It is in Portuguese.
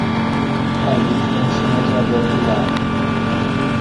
A luz dançou através do lago.